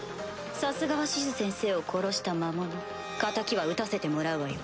さすがはシズ先生を殺した魔物敵は討たせてもらうわよ。